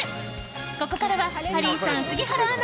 ここからはハリーさん、杉原アナ